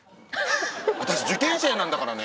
私受験しぇいなんだからね。